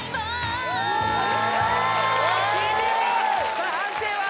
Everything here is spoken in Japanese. さあ判定は？